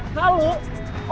nggak usah lu